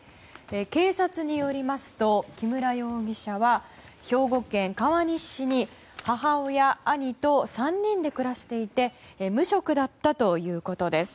警察によりますと木村容疑者は兵庫県川西市に母親、兄と３人で暮らしていて無職だったということです。